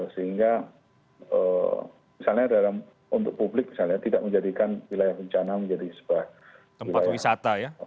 sehingga misalnya untuk publik tidak menjadikan wilayah bencana menjadi sebuah tempat wisata ya